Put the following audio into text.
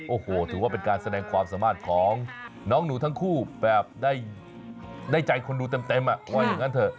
โอ้โหถือว่าเป็นการแสดงความสามารถของน้องหนูทั้งคู่แบบได้ใจคนดูเต็มว่าอย่างนั้นเถอะ